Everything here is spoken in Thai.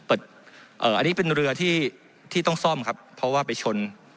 อันนี้เป็นเรือที่ต้องซ่อมครับเพราะว่าไปชน